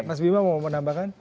mas bima mau menambahkan